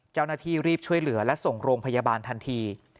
เจ้าหน้าที่รีบช่วยเหลือและส่งโรงพยาบาลทันที